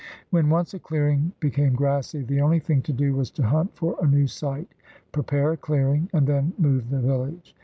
"When once a clearing became grassy, the only thing to do was to hunt for a new site, prepare a clearing, and then move the village.